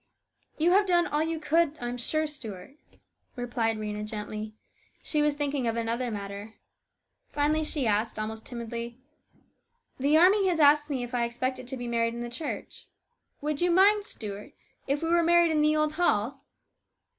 "You have done all you could, I am sure, Stuart," replied Rhena gently. She was thinking of another matter. Finally she asked, almost timidly, "The army has asked me if I expected to be married in the church. Would you mind, Stuart, if we were married in the old hall